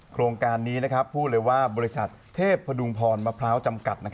โครงการนี้พูดเลยว่าบริษัทเทพพดุงพรมะพร้าวจำกัด